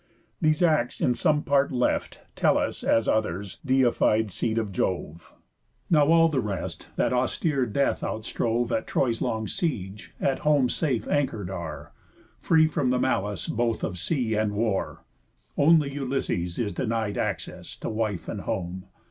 These acts, in some part left, Tell us, as others, deified Seed of Jove. Now all the rest that austere death outstrove At Troy's long siege at home safe anchor'd are, Free from the malice both of sea and war; Only Ulysses is denied access To wife and home.